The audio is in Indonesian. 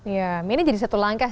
ya ini jadi satu langkah